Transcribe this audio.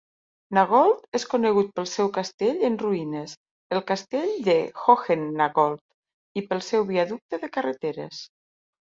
Nagold és conegut pel seu castell en ruïnes, el castell de Hohennagold, i pel seu viaducte de carreteres.